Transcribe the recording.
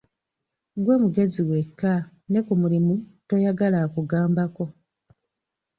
Ggwe mugezi wekka, ne ku mulimu toyagala akugambako.